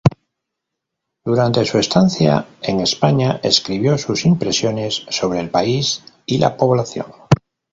Durante su estancia en España escribió sus impresiones sobre el país y la población.